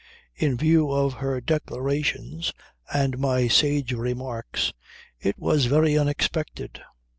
In view of her declarations and my sage remarks it was very unexpected.